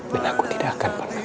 dan aku tidak akan pernah